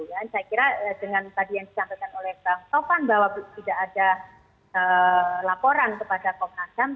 saya kira dengan tadi yang disampaikan oleh bang taufan bahwa tidak ada laporan kepada komnas ham